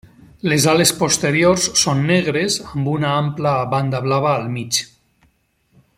Les ales posteriors són negres, amb una ampla banda blava al mig.